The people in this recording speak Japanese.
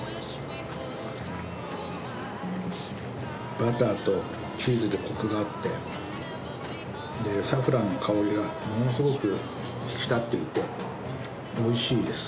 バターとチーズでコクがあってサフランの香りがものすごく引き立っていておいしいです。